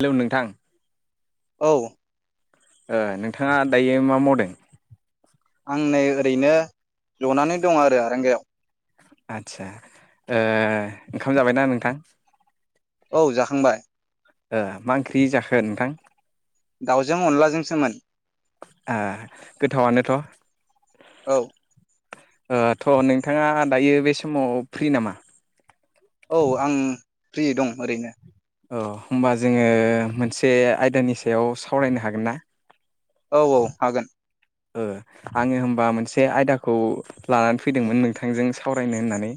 Hello नोंथां औ नोंथाङा दायो मा मावदों आं नै ओरैनो जनानै दं आरो आरांगायाव आदसा ओ ओंखाम जाबायना नोंथां औ जाखांबाय मा ओंख्रि जाखो नोंथां दाउजों अनलाजोंसोमोन गोथावानोथ औ थ नोंथाङा दायो बे समाव फ्रि नामा औ आं फ्रि दं ओरैनो औ होमबा जोङो मोनसे आयदानि सायाव सावरायनो हागोन ना औ औ हागोन आङो होनबा मोनसे आयदाखौ लानानै फैदोंमोन नोंथांजों सावरायनो होननानै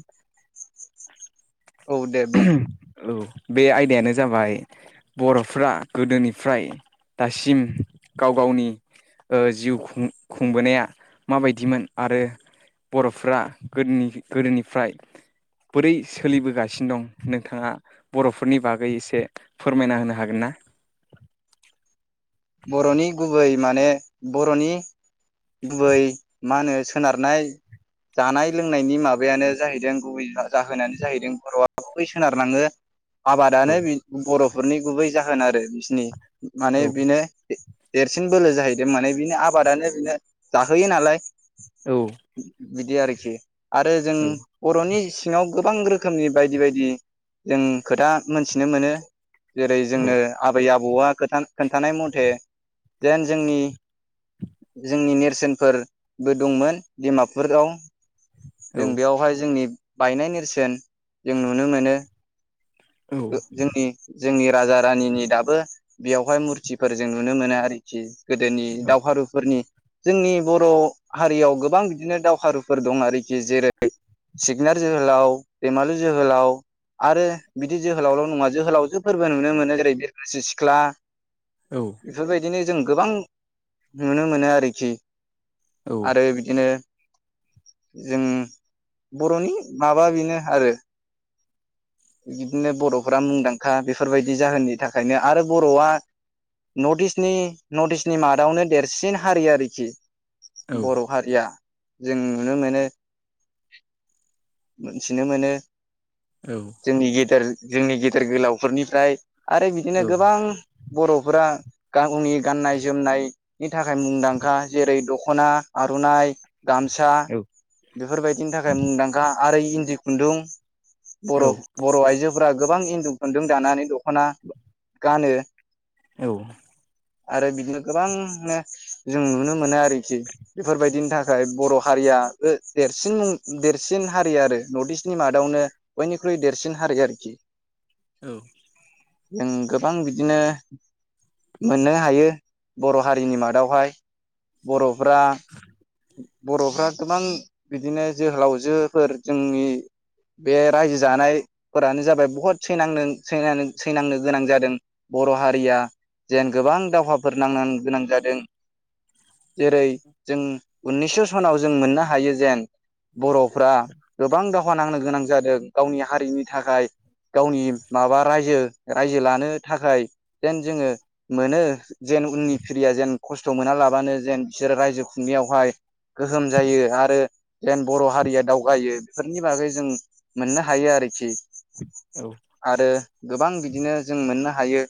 औ दे बुं औ बे आयदायानो जाबाय बर'फ्रा गोदोनिफ्राय दासिम गाव गावनि जिउ खुंबोनाया माबायदिमोन आरो बर'फ्रा गोदोनिफ्राय बोरै सोलिबोगासिनो दं नोंथाङा बर'फोरनि बागै एसे फोरमायना होनो हागोन ना? बर'नि गुबै माने बर'नि गुबै मा होनो सोनारनाय जानाय लोंनायनि माबायानो जाहैदों गुबै जाहोनानो जाहैदों बर'आ गुबै सोनारनाङो। औ आबादानो बि बर'फो रनि गुबै जाहोन आरो बिसिनि औ माने बेनो देरसिन बोलो जाहैदों माने बिनो आबादानो बिनो जाहोयो नालाय। औ। बिदि आरोखि‌ आरो जों औ बर'नि सिङाव गोबां रोखोमनि बायदि बायदि जों खोथा मोनथिनो मोनो। जेरै औ जोंनो आबै-आबौ आबौवा खोन्थानाय मथे से जेन जोंनि जोंनि नेरसोनफोरबो दंमोन डिमापुराव औ जों बेयावहाय जोंनि बायनाय नेरसोन जों नुनो मोनो। औ ओ जोंनि जोंनि राजा रानिनि दाबो बेयावहाय मुरथिफोर जों नुनो मोनो आरोखि गोदोनि दावहारुफोरनि जोंनि बर' हारियाव गोबां बिदिनो दावहारुफोर दं आरोखि जेरै सिगोनार जोहोलाव, दैमालु जोहोलाव आरो। बिदि जोहोलावल नङा जोहोलावजोफोरबो नुनो मोनो जेरै बिरगोस्रि सिख्ला औ बेफोर बायदिनो जों गोबां नुनो मोनो आरोखि। आरो बिदिनो जोङो बर'नि माबा बेनो आरो बिदिनो बर'फोरा मुंदांखा बेफोरबायदि जाहोननि थाखायनो आरो बर'आ नर्थ इस्टनि नर्थ इस्टनि मादावनो देरसिन हारि आरोखि। बर' हारिया जों नुनो मोनो मोनथिनो मोनो। जोंनि गिदेर जोंनि गेदेर गोलावफोरनिफ्राय आरो बिदिनो गोबां बर'फोरा गावनि गाननाय-जोमनायनि थाखाय मुंदांखा जेरै दख'ना आर'ननाइ गामसा बेफोरबायदिनि थाखाय मुंदांखा। आरो इन्दि खुन्दुं। बर' बर' आइजो फोरा गोबां इन्दुं खुन्दुं दानानै दख'ना गानो। आरो बिदिनो गोबां [unintelligible] जों नुनो मोनो आरोखि बेफोरबायदिनि थाखाय बर' हारिया देरसिन मुं देरसिन हारि आरो नर्थ इस्टनि मादावनो बयनिख्रुइ देरसिन हारि आरोखि औ जों गोबां बिदिनो मोननो हायो बर' हारिनि मादावहाय बर'फ्रा बर'फ्रा गोबां बिदिनो जोहोलावजोफोर जोंनि बे रायजो जानायफोरानो जाबाय बहुत सैनांनो सैनांनो गोनां जादों बर' हारिया जेन गोबां दावहाफोर नांनां गोनां जादों जेरै जों उनिसस' सनाव जों मोननो हायो जेन बर'फ्रा गोबां दावहा नांनो गोनां जादों गावनि हारिनि थाखाय गावनि माबा रायजो रायजो लानो थाखाय जेन जोङो मोनो जेन उननि फिरिया जेन खस्थ' मोना लाबानो जेन बिसोर रायजो खुंनायाव बेहाय गोहोम जायो आरो जेन बर' हारिया दावगायो बेफोरनि बागै जों मोननो हायो आरोखि आरो गोबां बिदिनो जों मोननो हायो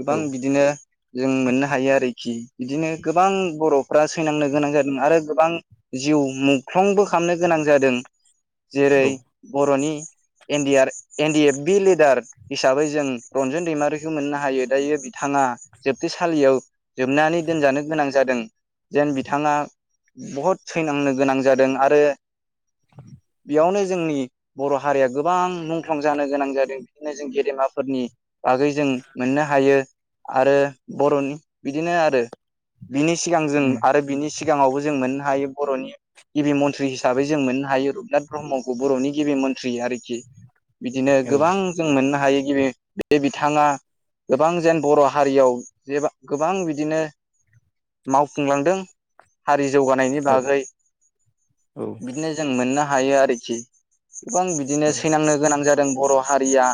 गोबां बिदिनो जों मोननो हायो आरोखि बिदिनो गोबां बर' फ्रा सैनांनो गोनां जादों आरो गोबां जिउ मुंख्लंबो खामनो गोनां जादों जेरै बर'नि एन डि र N D F B leader हिसाबै जों रन्जन दैमारिखौ मोननो हायो दायो बिथाङा जोबथेसालियाव जोबनानै दोनजानो गोनां जादों जेन बिथाङा बुहुद सैनांनो गोनां जादों आरो बेयावनो जोंनि बर' हारिया गोबां मुंख्लं जानो गोनां जादों बिदिनो जों गेदेमाफोरनि बागै जों मोननो हायो आरो बर'नि बिदिनो आरो बिनि सिगां जों बिनि सिगाङावबो जों मोननो हायो बर'नि गिबि मन्थ्रि हिसाबै जों मोननो हायो रुपनाथ ब्रह्मखौ बर'नि गिबि मन्थ्रि आरोखि बिदिनो गोबां जों मोननो हायो [unintelligible] बे बिथाङा गोबां जेन बर' हारियाव जेबा गोबां बिदिनो माव फुंलांदों हारि जौगानायनि बागै औ औ बिदिनो जों मोनना हायो आरोखि गोबां बिदिनो औ सैनांनो गोनां जादों बर' हारिया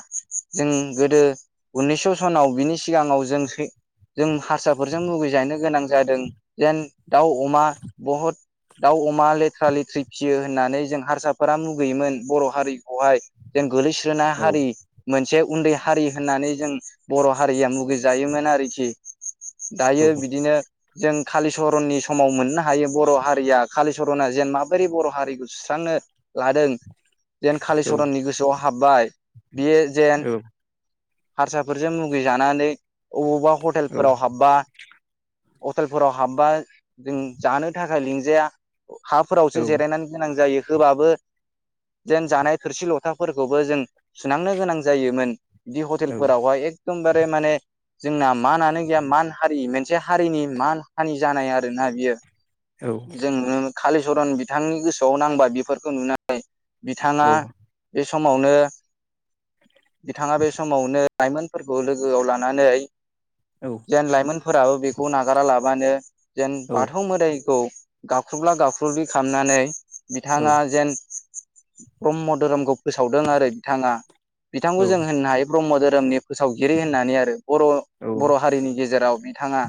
जों गोदो उनिसस' सनाव बिनि सिगाङाव जों सै जों हारसाफोरजों मुगैजानो गोनां जादों जेन दाउ अमा बहद दाउ अमा लेथ्रा लेथ्रि फियो होननानै जों हारसाफोरा मुगैयोमोन बर' हारिखौहाय जों गोलैस्रोना औ हागोन हारि मोन से उन्दै हारि होननानै जों बर' हारिया मुगिजायोमोन आरोखि दायो बिदिनो जों कालिचरननि समाव मोननो हायो बर' हारिया कालिचरना जेन माबोरै बर' हारिखौ सुस्रांनो लादों जेन कालिचरननि गोसोआव हाब्बाय बियो जेन हारसाफोरजों मुगिजानानै अबावबा हटेलफोराव हाबबा हटेलफोराव हाबबा जों जानो थाखाय लिंजाया अ हाफोरावसो जिरायनानै गोनां जायो होबाबो जेन जानाय थोरसि लथाफोरखौबो जों सुनांनो गोनां जायोमोन बिदि हटेलफोरावहाय एखदमबारे माने जोंना मानआनो गैया मान हारि मोनसे हारिनि मान हानि जानाय आरो ना बियो जों नुनो कालिचरन बिथांनि गोसोआव नांबा बिफोरखौ नुनानै बिथाङा बे समावनो बिथाङा बे समावनो लाइमोनफोरखौ लोगोआव लानानै जेन लाइमोनफोराबो बेखौ ना गारा लाबानो जेन बाथौ मोदाइ औ गाख्रुबला गाख्रुबलि खालामनानै बिथाङा जेन ब्रह्म धोरोमखौ फोसावदों आरो बिथाङा बिथांखौ जों होननो हायो ब्रह्म धोरोमनि फोसावगिरि होननानै आरो बर' बर' हारिनि गेजेराव बिथाङा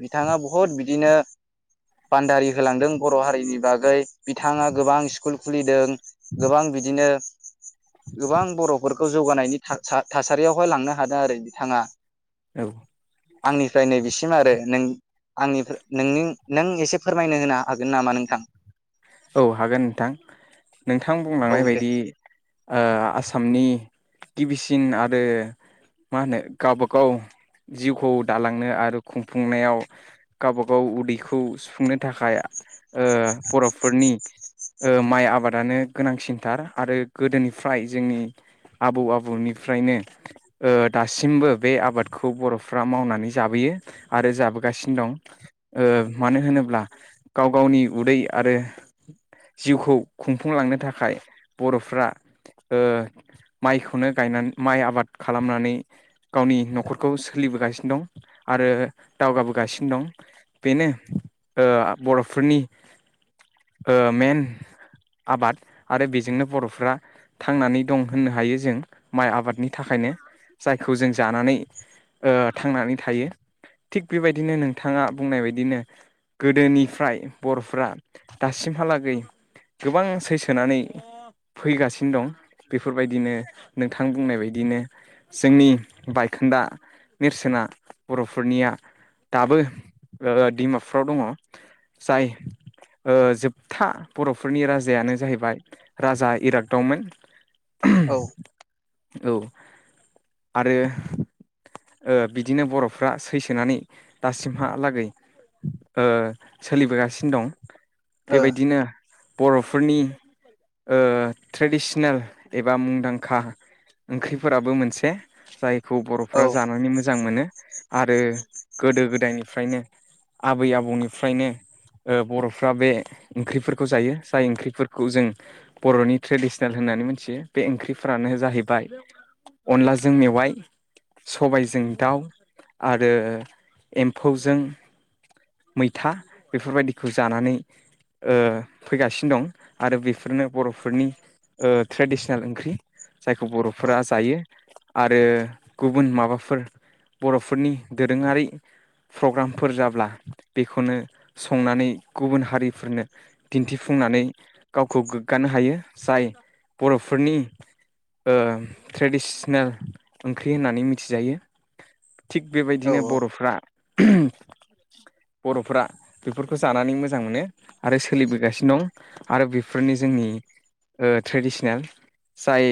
बिथाङा बहुद बिदिनो बान्दारि होलांदों बर' हारिनि बागै बिथाङा गोबां स्कुल खुलिदों गोबां बिदिनो गोबां बर'फोरखौ जौगानायनि था-था-थासारियावहाय लांनो हादों आरो बिथाङा आंनिफ्राय नै बिसो आरो नों आंनि नों नों एसे फोरमायनो होनो हागोन नामा नोंथां? औ हागोन नोंथां नोंथां औ बुंलांनाय दे बायदि ओ आसामनि गिबिसिन आरो मा होनो गावबागाव जिउखौ दालांनो आरो खुंफुंनायाव गावबा गाव उदैखौ सुफुंनो थाखाय ओ बर' फोरनि माइ आबादानो गोनांसिनथार आरो गोदोनिफ्राय जोंनि आबौ आबौनिफ्रायनो ओ दासिमबो बे आबादखौ बर'फ्रा मावनानै जाबोयो आरो जाबोगासिनो दं ओ मानो होनोब्ला गाव गावनि उदै आरो जिउखौ खुंफुंलांनो थाखाय बर'फ्रा ओ माइखौनो गायनानै माइ आबाद खालामनानै गावनि न'खरखौ सोलिबोगासिनो दं आरो दावगाबोगासिनो दं बेनो ओ बर'फोरनि ओ मेन आबाद आरो बेजोंनो बर'फ्रा थांनानै दं होननो हायो जों माइ आबादनि थाखायनो जायखौ जों जानानै ओ थांनानै थायो थिग बेबायदिनो नोंथाङा बुंनाय बायदिनो गोदोनिफ्राय बर'फ्रा दासिमहालागै गोबां सैसोनानै फैगासिनो दं बेफोरबायदिनो नोंथां बुंनाय बायदिनो जोंनि बायखोन्दा नेरसोना बर'फोरनिया दाबो ओ डिमाफुराव दङ जाय ओ जोबथा बर' फोरनि राजायानो जाहैबाय राजा इरागदावमोन औ औ आरो ओ बिदिनो बर'फ्रा सैसोनानै दासिमहालागै ओ सोलिबोगासिनो दं ओ औ बेबायदिनो बर'फोरनि ओ ट्रेडिसनेल एबा मुंदांखा ओंख्रिफोराबो मोनसे जाय खौ औ बर'फ्रा जानानै मोजां मोनो आरो गोदो गोदायनिफ्रायनो आबै आबौनिफ्रायनो ओ बर' फ्रा बे ओंख्रिफोरखौ जायो जाय ओंख्रिफोरखौ जों बर'नि ट्रेडिसनेल होननानै मिथियो बे ओंख्रिफोरानो जाहैबाय अनलाजों मेवाइ सबायजों दाउ आरो एम्फौजों मैथा बेफोरबायदिखौ जानानै ओ फैगासिनो दं आरो बेफोरनो बर'फोरनि ओ ट्रेडिसनेल ओंख्रि जायखौ बर'फोरा जायो आरो गुबुन माबाफोर बर'फोरनि दोरोङारि प्रग्रामफोर जाब्ला बेखौनो संनानै गुबुन हारिफोरनो दिन्थिफुंनानै गावखौ गोग्गानो हायो जाय बर'फोरनि ओ ट्रेडिसनेल ओंख्रि होननानै मिथिजायो थिग औ बेबायदिनो बर'फ्रा बर'फोरा बेफोरखौ जानानै मो मोजां मोनो आरो सोलिबोगासिनो दं आरो बेफोरनो जोंनि ओ ट्रेडिसनेल जाय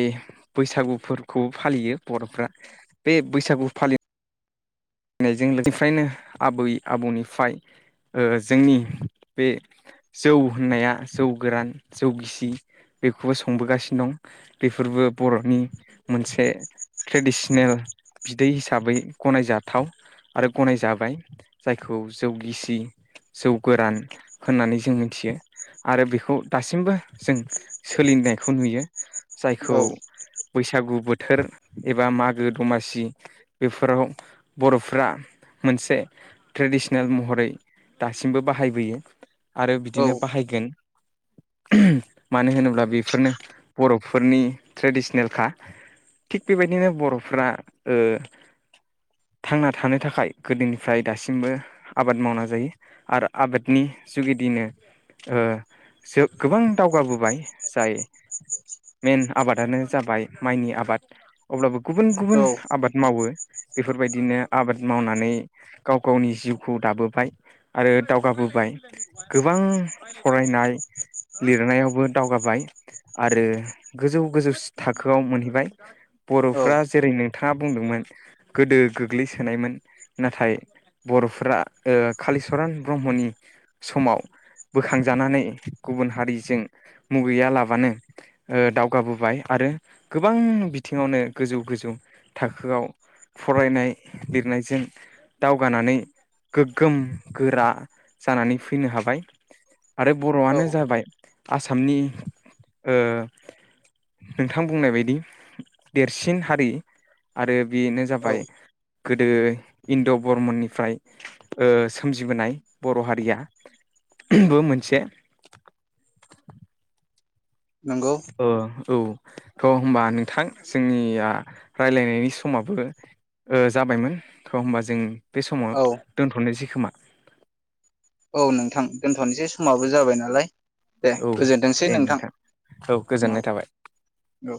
बैसागुफोरखौ फालियो बर'फ्रा बे बैसागु फालिनाय यनायजोंनिफ्रायनो आबै आबौनिफ्राय जोंनि बे जौ होननाया जौ गोरान जौ गिसि बेखौबो संबोगासिनो दं बेफोरबो बर'नि मोनसे ट्रेडिसनेल बिदै हिसाबै गनायजाब थाव आरो गनाय जाबाय जायखौ जौ गिसि जौ गोरान होननानै जों मिथियो आरो बेखौ दासिमबो जों सोलिनायखौ नुयो जायखौ औ बैसागु बोथोर एबा मागो दमासि बेफोराव बर'फ्रा मोनसे ट्रेडिसनेल महरै दासिमबो बाहायबोयो आरो बिदिनो बाहायगोन मानो होनोब्ला बेफोरनो बर'फोरनि ट्रेडिसनेलखा थिग बेबायदिनो बर'फोरा ओ थांना थानो थाखाय गोदोनिफ्राय दासिमबो आबाद मावना जायो आरो आबादनि जुगिदिनो जो गोबां दावगाबोबाय जाय मेन आबादानो जाबाय माइनि आबाद अब्लाबो गुबुन गुबुन औ आबाद मावो बेफोरबायदि बिदिनो आबाद मावनानै गाव गावनि जिउखौ दाबोबाय आरो दावगाबोबाय गोबां फरायनाय लिरनायावबो दावगाबाय आरो गोजौ गोजौ थाखोआव मोनहैबाय औ बर'फ्रा जेरैनो बिथाङा बुंदोंमोन गोदो गोग्लैसोनायमोन नाथाय बर'फोरा ओ कालिचरन ब्रह्मनि समाव बोखांजानानै गुबुन हारिजों मुगैया लाबानो दावगाबोबाय आरो गोबां बिथिङावनो गोजौ गोजौ थाखोआव फरायनाय लिरनायजों दावगानानै गोग्गोम गोरा जानानै फैनो हाबाय आरो औ बर'आनो जाबाय आसामनि ओ नोंथां बुंनाय बायदि देरसिन हारि आरो बेनो औ जाबाय गोदो इन्द' बरमननिफ्राय ओ सोमजिबोनाय बर' हारियाबो मोनसे नोंगौ ओ औ थ' होमबा नोंथां जोंनिया रायलायनायनि समाबो ओ जाबायमोन थ होमबा जों बे समाव औ दोनथ'नायसै खोमा औ नोंथां दोनथ'नोसै समाबो जाबायनालाय दे औ गोजोनथोंसै दे नोंथां औ गोजोननाय थाबाय औ